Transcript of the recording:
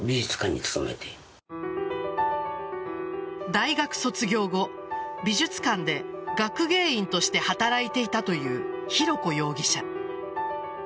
大学卒業後、美術館で学芸員として働いていたという浩子容疑者。